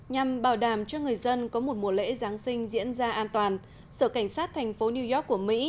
nhằm bảo đảm cho người dân có một mùa lễ giáng sinh diễn ra an toàn sở cảnh sát thành phố new york của mỹ